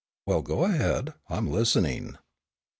"Well, go ahead, I'm listening."